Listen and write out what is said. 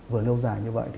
vừa lâu dài như vậy